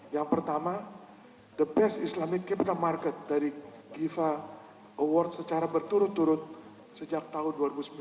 yang pertama the best islamic capital market dari giva award secara berturut turut sejak tahun dua ribu sembilan belas